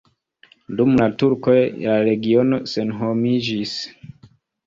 Dum la turkoj la regiono senhomiĝis.